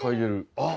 あっ。